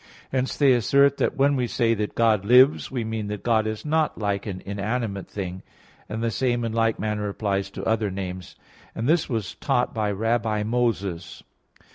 Hence they assert that when we say that God lives, we mean that God is not like an inanimate thing; and the same in like manner applies to other names; and this was taught by Rabbi Moses.